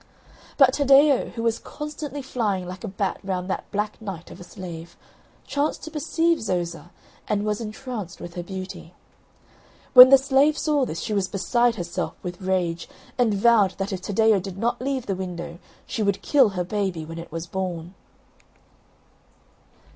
But Taddeo, who was constantly flying like a bat round that black night of a Slave, chanced to perceive Zoza and was entranced with her beauty. When the Slave saw this she was beside herself with rage, and vowed that if Taddeo did not leave the window, she would kill her baby when it was born.